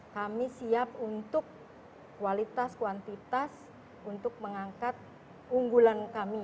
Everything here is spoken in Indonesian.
kami siap untuk kualitas kuantitas untuk mengangkat unggulan kami